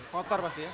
kotor pasti ya